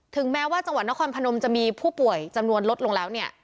แม้ว่าจังหวัดนครพนมจะมีผู้ป่วยจำนวนลดลงแล้วเนี่ย